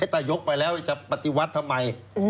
ถ้ายกไปแล้วจะปฏิวัติทำไม